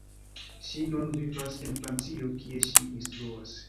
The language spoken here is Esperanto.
Ŝi nun vivas en Francio kie ŝi instruas.